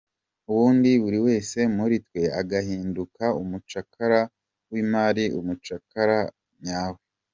Ubundi buri wese muri twe agahinduka umucakara w’imari, umucakara nyawe…”.